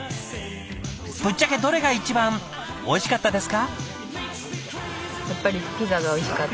ぶっちゃけどれが一番おいしかったですか？